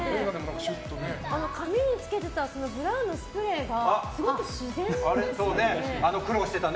髪に付けてたブラウンのスプレーがすごく自然ですね。